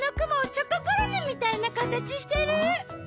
チョココロネみたいなかたちしてる！